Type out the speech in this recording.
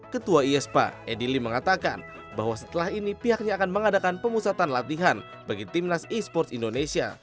ketua iespa edi lim mengatakan bahwa setelah ini pihaknya akan mengadakan pemusatan latihan bagi timnas esports indonesia